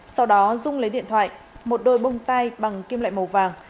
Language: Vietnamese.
sau đó dung lấy điện thoại một đôi bông tai bằng kim loại màu vàng